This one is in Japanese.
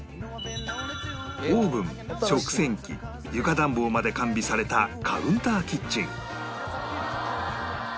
オーブン食洗機床暖房まで完備されたカウンターキッチン